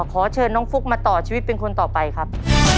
ขอเชิญน้องฟุ๊กมาต่อชีวิตเป็นคนต่อไปครับ